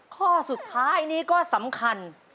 ข้อสุดท้ายนี้ก็สำคัญ